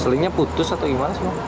selingnya putus atau gimana